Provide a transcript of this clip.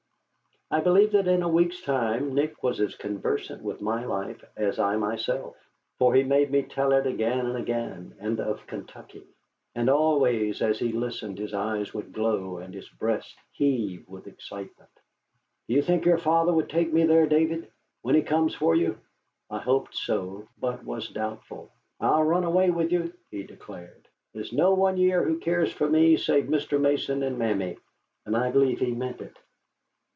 I believe that in a week's time Nick was as conversant with my life as I myself. For he made me tell of it again and again, and of Kentucky. And always as he listened his eyes would glow and his breast heave with excitement. "Do you think your father will take you there, David, when he comes for you?" I hoped so, but was doubtful. "I'll run away with you," he declared. "There is no one here who cares for me save Mr. Mason and Mammy." And I believe he meant it.